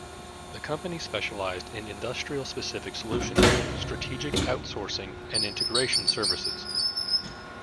The company specialized in industry-specific solutions, strategic outsourcing and integration services.